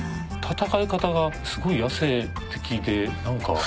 戦い方がすごい野性的でなんか。